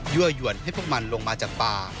ั่วยวนให้พวกมันลงมาจากป่า